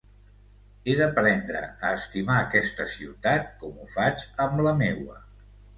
He d'aprendre a estimar aquesta ciutat com ho faig amb la meua.